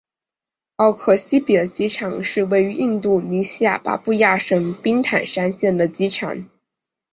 奥克西比尔机场是位于印度尼西亚巴布亚省宾坦山县的机场。